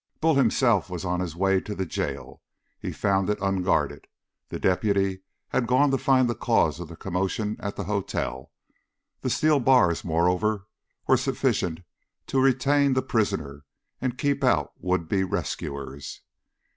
Bull himself was on his way to the jail. He found it unguarded. The deputy had gone to find the cause of the commotion at the hotel. The steel bars, moreover, were sufficient to retain the prisoner and keep out would be rescuers.